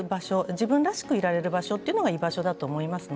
自分らしくいられる場所というのが居場所だと思います。